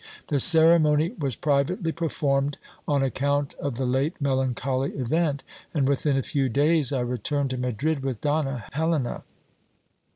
The ceremony was privately performed, on account of the late melancholy event, and within a few days I returned to Madrid with Donna Helena.